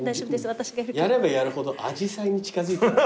やればやるほどアジサイに近づいてる。